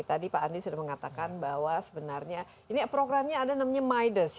tadi pak andi sudah mengatakan bahwa sebenarnya ini programnya ada namanya midas